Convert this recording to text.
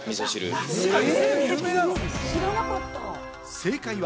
正解は。